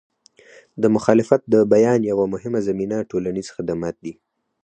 د مخالفت د بیان یوه مهمه زمینه ټولنیز خدمات دي.